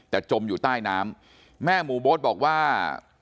แต่จมอยู่ใต้น้ำแม่หมู่โบ๊ทบอกว่า